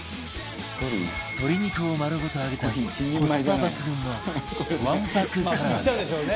鶏肉を丸ごと揚げたコスパ抜群のわんぱく唐揚げ